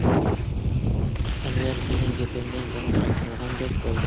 ئەنۋەر مېنىڭ گېپىمدىن گاڭگىراپ قالغاندەك بولدى.